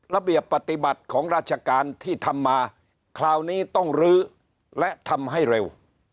ระเบียบปฏิบัติของราชการที่ทำมาคราวนี้ต้องลื้อและทำให้เร็ว